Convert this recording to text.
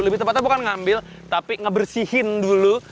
lebih tepatnya bukan ngambil tapi ngebersihin dulu